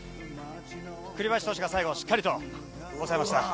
栗林投手がしっかりと抑えました。